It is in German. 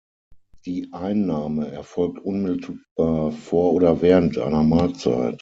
Die Einnahme erfolgt unmittelbar vor oder während einer Mahlzeit.